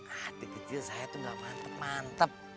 hati kecil saya itu gak mantep mantep